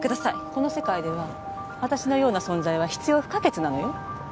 この世界では私のような存在は必要不可欠なのよ。